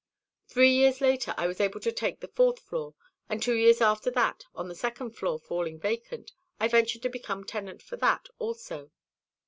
Three years later I was able to take the fourth floor; and two years after that, on the second floor falling vacant, I ventured to become tenant for that also.